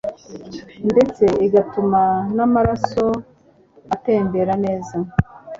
ndetse igatuma n'amaraso atembera neza